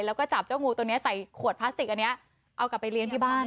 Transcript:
แล้วก็จับเจ้างูตัวนี้ใส่ขวดพลาสติกอันนี้เอากลับไปเลี้ยงที่บ้าน